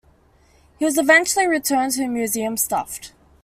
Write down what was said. He was eventually returned to the museum stuffed.